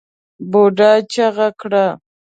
بوډا چيغه کړه!